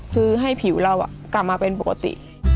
คือให้ผิวเรากลับมาเป็นปกติ